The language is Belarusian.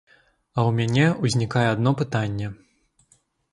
А ў мяне ўзнікае адно пытанне.